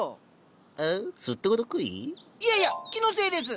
いやいや気のせいです。